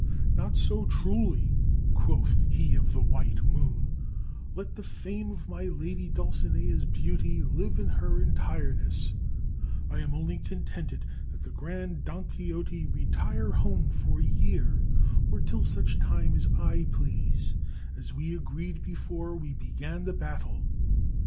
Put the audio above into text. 'Not so, truly,' quoth he of the White Moon; 'let the fame of my Lady Dulcinea's beauty live in her entireness; I am only contented that the grand Don Quixote retire home for a year, or till such time as I please, as we agreed before we began the battle.'